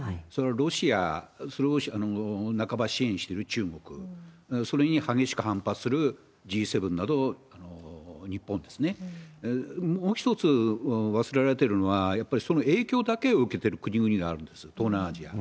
ロシア、それを半ば支援してる中国、それに激しく反発するＧ７など日本ですね、もう一つ忘れられているのは、やっぱりその影響だけを受けてる国々があるんです、東南アジア。